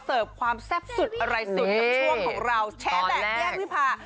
ความแซ่บสุดอะไรสุดกับช่วงของเราแชร์แบบแยกวิพา